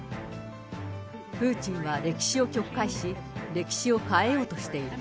プーチンは歴史を曲解し、歴史を変えようとしている。